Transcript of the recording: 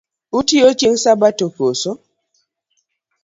Utiyo chieng’ sabato koso?